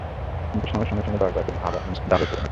কিন্তু সময়ের সঙ্গে সঙ্গে বাবুই পাখির ভাব এখন ডাবে পরিণত হয়েছে।